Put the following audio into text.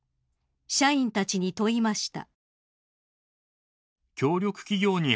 社員たちに問いました。